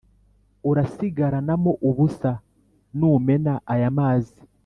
urasigaranamo ubusa numena ayamazi